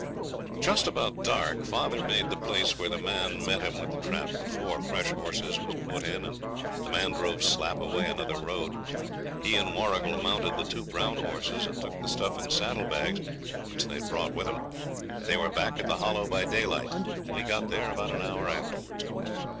Just about dark father made the place where the man met him with the trap before. Fresh horses was put in and the man drove slap away another road. He and Warrigal mounted the two brown horses and took the stuff in saddle bags, which they'd brought with 'em. They were back at the Hollow by daylight, and we got there about an hour afterwards.